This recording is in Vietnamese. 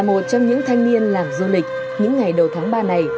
một trong những thanh niên làm du lịch những ngày đầu tháng ba này